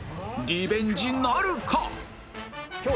リベンジなるか！？